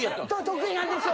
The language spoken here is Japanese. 得意なんですよ